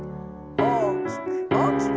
大きく大きく。